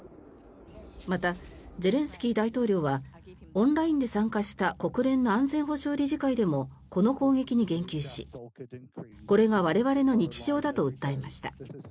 また、ゼレンスキー大統領はオンラインで参加した国連の安全保障理事会でもこの攻撃に言及しこれが我々の日常だと訴えました。